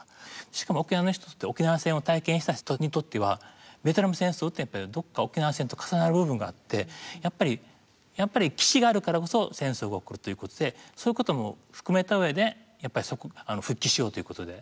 しかも沖縄の人って沖縄戦を体験した人にとってはベトナム戦争ってやっぱりどこか沖縄戦と重なる部分があってやっぱり基地があるからこそ戦争が起こるということでそういうことも含めた上で復帰しようということで。